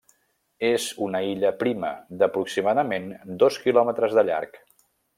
És una illa prima, d'aproximadament dos quilòmetres de llarg.